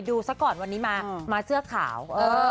ดูสักก่อนวันนี้มาเสื้อขาว